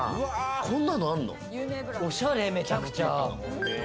おしゃれ、めちゃくちゃ。